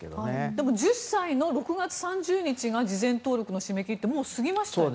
でも１０歳の６月３０日が事前登録の締め切りってもう過ぎましたよね。